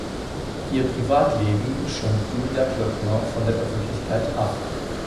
Ihr Privatleben schirmt Julia Klöckner von der Öffentlichkeit ab.